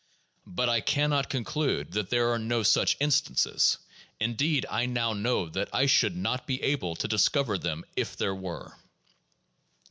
But I can not conclude that there are no such instances ; indeed, I now know that 7 should not be able to discover them if there were.